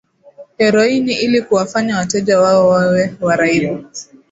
heroini ili kuwafanya wateja wao wawe waraibu